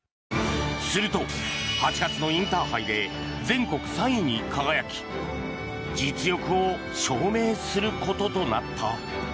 すると、８月のインターハイで全国３位に輝き実力を証明することとなった。